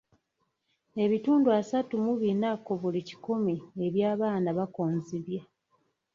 Ebitundu asatu mu bina ku buli kikumi eby'abaana bakonzibye.